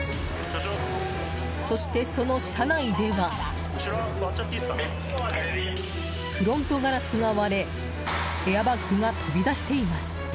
そして、その車内ではフロントガラスが割れエアバッグが飛び出しています。